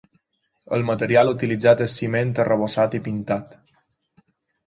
El material utilitzat és ciment arrebossat i pintat.